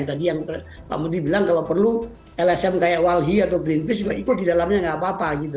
tadi yang pak menteri bilang kalau perlu lsm kayak walhi atau greenpeace juga ikut di dalamnya nggak apa apa gitu